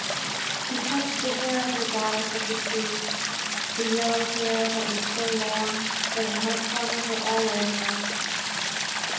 He touched the hair of the goddess of the sea, the yellow hair that was so long that it might cover her all over.